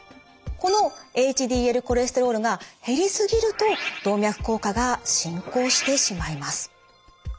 このＨＤＬコレステロールが減りすぎると動脈硬化が進行してしまいます。